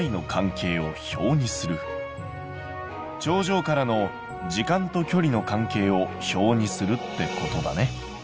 頂上からの時間と距離の関係を表にするってことだね。